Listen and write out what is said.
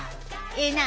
ええな！